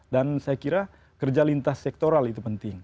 dan saya kira kerja lintas sektoral itu penting